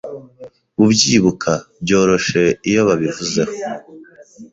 Bubyibuka byoroshe iyo babivuzeho